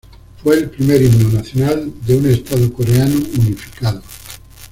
Fue el primer himno nacional de un estado coreano unificado.